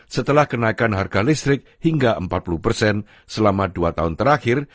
setelah kenaikan harga listrik hingga empat puluh persen selama dua tahun terakhir